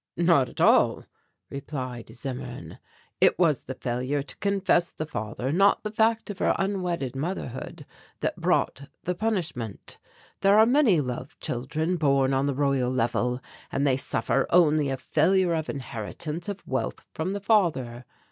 "Not at all," replied Zimmern; "it was the failure to confess the father, not the fact of her unwedded motherhood, that brought the punishment. There are many love children born on the Royal Level and they suffer only a failure of inheritance of wealth from the father.